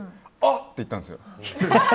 って言ったんですよ。